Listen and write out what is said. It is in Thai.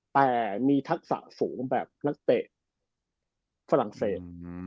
แต่มีทักษะสูงแบบนักเตะฝรั่งเศส